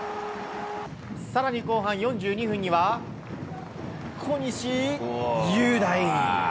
更に後半４２分には、小西雄大。